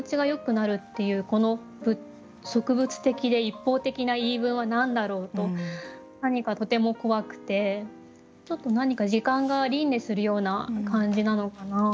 なる」っていうこの即物的で一方的な言い分は何だろうと何かとても怖くてちょっと何か時間が輪廻するような感じなのかな。